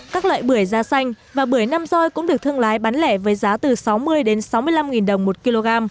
các loại bưởi da xanh và bưởi nam roi cũng được thương lái bán lẻ với giá từ sáu mươi đến sáu mươi năm đồng một kg